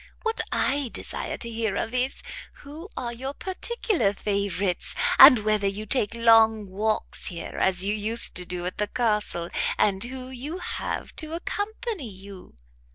What I desire to hear of is, who are your particular favourites; and whether you take long walks here, as you used to do at the Castle, and who you have to accompany you?"